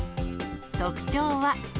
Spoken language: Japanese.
特徴は。